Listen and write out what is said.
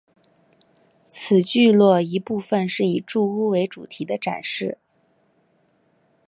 此聚落一部份是以住屋为主题的展示。